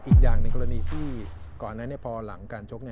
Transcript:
อีกอย่างหนึ่งกรณีที่ก่อนนั้นพอหลังการชก